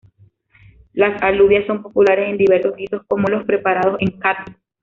Las alubias son populares en diversos guisos como los preparados en Catí.